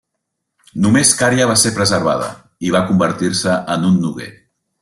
Només Cària va ser preservada, i va convertir-se en un noguer.